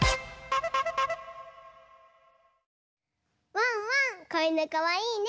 ワンワンこいぬかわいいね！